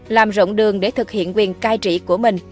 làm rộng đường để thực hiện quyền cai trị của mình